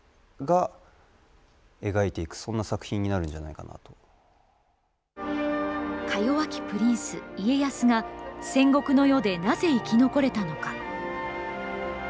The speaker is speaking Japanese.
かよわきプリンス、家康が、戦国の世でなぜ生き残れたのか。